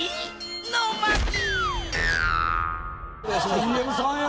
Ｔ．Ｍ．さんや！